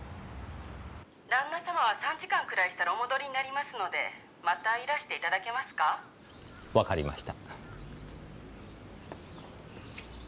「旦那様は３時間くらいしたらお戻りになりますのでまたいらしていただけますか」わかりました。